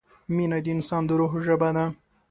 مینه د انسان د روح ژبه ده.